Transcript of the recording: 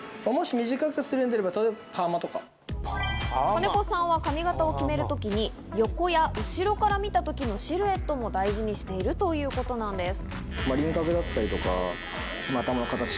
金子さんは髪形を決める時に横や後ろから見たときのシルエットも大事にしているということなんです。